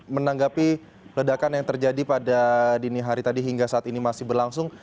menanggapi ledakan yang terjadi pada dini hari tadi hingga saat ini masih berlangsung